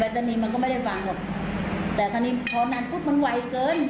ปริศนีย์มันก็ไม่ได้ฟังพอนั้นพุธมันวัยเกิน